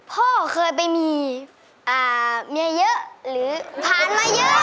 พ่อเคยไปมีเมียเยอะหรือผ่านมาเยอะ